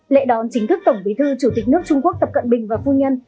lễ đón chính thức tổng bí thư chủ tịch nước trung quốc tập cận bình và phu nhân